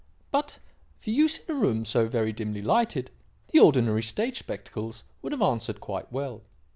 But, for use in a room so very dimly lighted, the ordinary stage spectacles would have answered quite well.